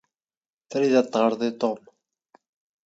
ⵜⵔⵉⵜ ⴰⴷ ⵜⵖⵔⵜ ⵉ ⵜⵓⵎ?